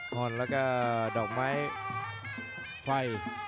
อ่อนแล้วก็ดอกไม้ไฟ